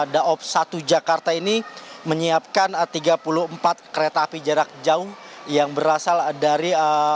daob satu jakarta ini menyiapkan tiga puluh empat kereta api jarak jauh yang berasal dari